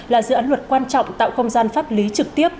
là dự án luật quan trọng tạo không gian pháp lý trực tiếp